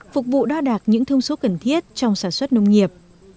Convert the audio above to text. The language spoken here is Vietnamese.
phục vụ đo đạc những thông số cần thiết trong sản xuất nông nghiệp